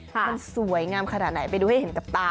มันสวยงามขนาดไหนไปดูให้เห็นกับตา